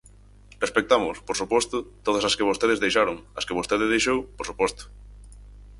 Respectamos, por suposto, todas as que vostedes deixaron, as que vostede deixou, por suposto.